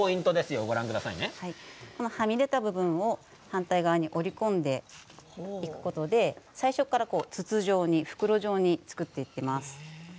はみ出た部分を反対側に折り込んでいくことで最初から、筒状に袋状に作っていきます。